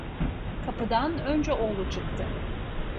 Kapıdan, önce oğlu çıktı.